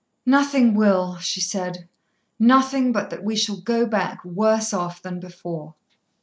"Nothing will," she said; "nothing but that we shall go back worse off than before."